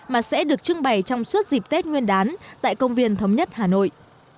mà sẽ được trưng bày trong suốt dịp tết nguyên đán tại công viên thống nhất hà nội